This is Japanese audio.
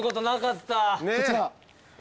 こちら。